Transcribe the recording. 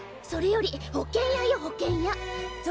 それより保険屋よ保険屋。